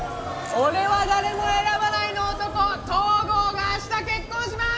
「俺は誰も選ばない」の男東郷が明日結婚します！